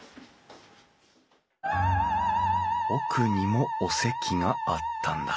奥にもお席があったんだ。